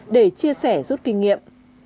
để chia sẻ rút kinh nghiệm